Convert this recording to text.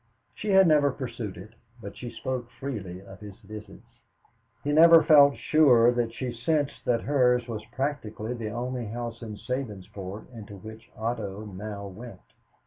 She had never pursued it, but she spoke freely of his visits. He never felt sure that she sensed that hers was practically the only house in Sabinsport into which Otto now went.